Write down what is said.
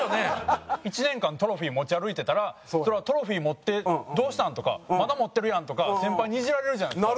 １年間トロフィー持ち歩いてたらそりゃトロフィー持ってどうしたん？とかまだ持ってるやんとか先輩にイジられるじゃないですか。